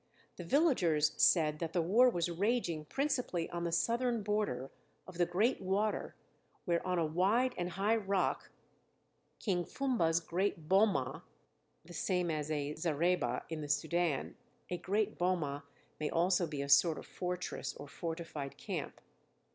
The villagers said that the war was raging principally on the southern border of the great water where on a wide and high rock King Fumba's great "boma"* [* The same as a zareba in the Sudân. A great boma may also be a sort of fortress or fortified camp.